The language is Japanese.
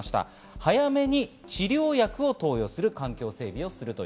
早めに治療薬を投与する環境を整備すること。